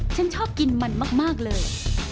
ฉันชอบกินมันมากเลย